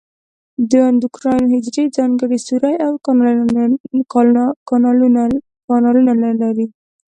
د اندوکراین حجرې ځانګړي سوري او کانالونه نه لري.